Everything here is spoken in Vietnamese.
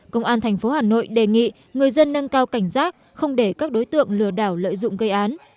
công an tp hà nội đề nghị người dân nâng cao cảnh giác không để các đối tượng lừa đảo lợi dụng gây án